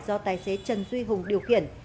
do tài xế trần duy hùng điều khiển